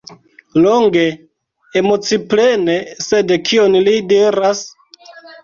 Longe, emociplene, sed kion li diras?